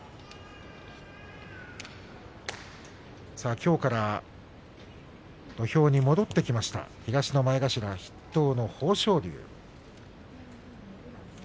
きょうから土俵に戻ってきました東の前頭筆頭の豊昇龍。